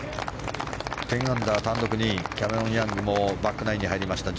１０アンダー、単独２位キャメロン・ヤングもバックナインに入りました。